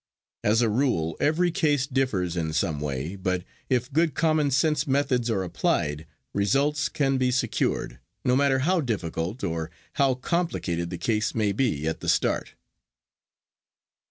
As a rule, every case differs in some way, but if good common sense methods are applied, results can be secured, no matter how difficult or how complicated the case may be at the start.